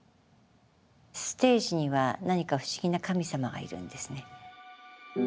ステージには何か不思議な神様がいるんですね。